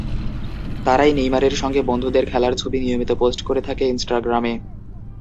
তারাই নেইমারের সঙ্গে বন্ধুদের খেলার ছবি নিয়মিত পোস্ট করে থাকে ইনস্টাগ্রামে।